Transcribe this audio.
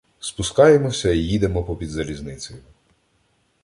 Спускаємося і їдемо попід залізницею.